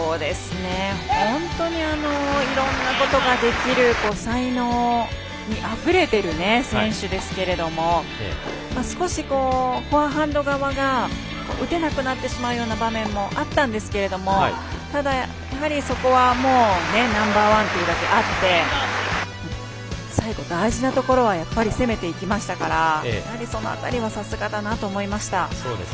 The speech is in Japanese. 本当にいろんなことができる才能にあふれている選手ですが少しフォアハンド側が打てなくなる場面もあったんですけれどもやはり、そこはナンバーワンというだけあって最後、大事なところは攻めていきましたからその辺りは、さすがだなと思いました。